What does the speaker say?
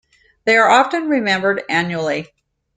They are often remembered annually.